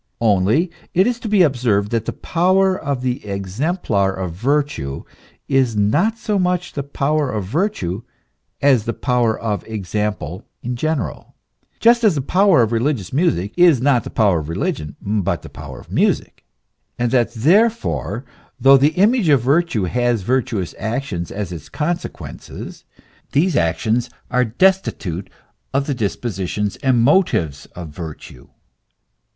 Only it is to be observed that the power of the exemplar of virtue is not so much the power of virtue as the power of ex ample in general, just as the power of religious music is not the power of religion, but the power of music;* and that therefore, though the image of virtue has virtuous actions as its consequences, these actions are destitute of the dispositions and motives of virtue.